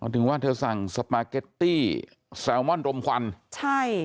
ถึงว่าเธอสั่งสปาเก็ตตี้แซลมอนรมควันใช่